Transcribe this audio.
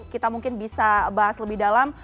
kita mungkin bisa bahas lebih dalam